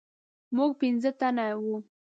موږ پنځه تنه وو.